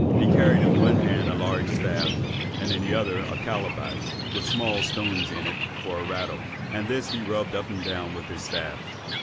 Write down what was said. He carried in one hand a large staff, in the other a calabash, with small stones in it for a rattle; and this he rubbed up and down with his staff.